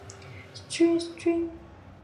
直至目前仍处在讨论阶段。